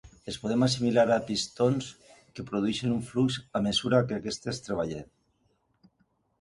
Es poden assimilar a pistons que produeixen un flux a mesura que aquests treballen.